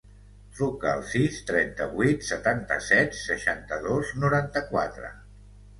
Truca al sis, trenta-vuit, setanta-set, seixanta-dos, noranta-quatre.